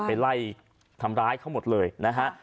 ไปไล่ทำร้ายเขาหมดเลยนะฮะ